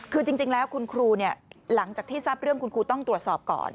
คือจริงแล้วคุณครูหลังจากที่ทราบเรื่องคุณครูต้องตรวจสอบก่อน